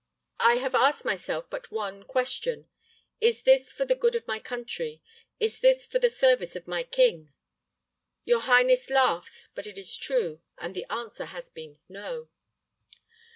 I have asked myself but one question: 'Is this for the good of my country? Is it for the service of my king?' Your highness laughs, but it is true; and the answer has been 'No.'"